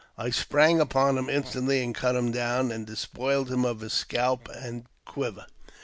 I sprang upon him instantly and cut him down, and despoiled him of his scalp and quiver.